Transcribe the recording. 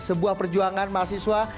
sebuah perjuangan mahasiswa